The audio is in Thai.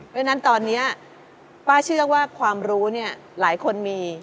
ด้วยนั้นตอนนี้ป้าเชื่อว่าความรู้หลายคนมี